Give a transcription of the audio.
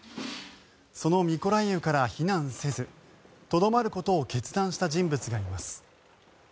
そのミコライウから避難せずとどまることを決断した人物がいます。